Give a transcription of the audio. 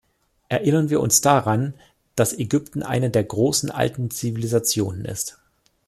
Erinnern wir uns daran, dass Ägypten eine der großen alten Zivilisationen ist.